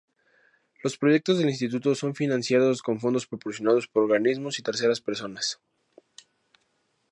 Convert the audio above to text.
Los proyectos del Instituto son financiados con fondos proporcionados por organismos y terceras personas.